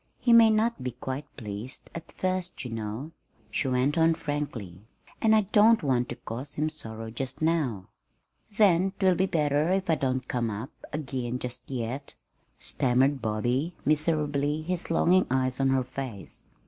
"He may not be quite pleased at first, you know," she went on frankly; "and I don't want to cause him sorrow just now." "Then 'twill be better if I don't come up again just yet," stammered Bobby, miserably, his longing eyes on her face.